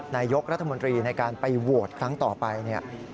นายกรัฐมนตรีในการไปโหวตครั้งต่อไปเนี่ย